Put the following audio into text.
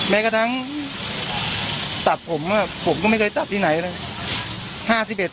แม้กระทั่งตัดผมผมก็ไม่เคยตัดที่ไหนเลย